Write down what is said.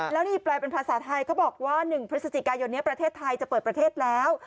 แล้วนี่แปลเป็นภาษาไทยเขาบอกว่า๑พฤศจิกายนนี้ประเทศไทยจะเปิดประเทศแล้ว